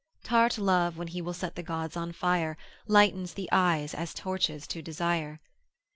Tart Love when he will set the gods on fire, Lightens the eyes as torches to desire.